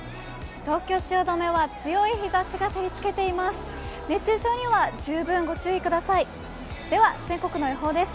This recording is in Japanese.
東京・汐留は強い日ざしが照りつけています。